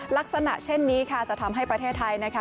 ลักษณะเช่นนี้จะทำให้ประเทศไทย